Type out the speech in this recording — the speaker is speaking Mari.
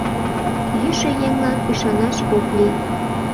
Йӱшӧ еҥлан ӱшанаш ок лий.